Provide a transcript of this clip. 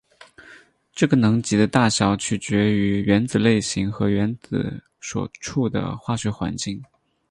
这些能级的大小取决于原子类型和原子所处的化学环境。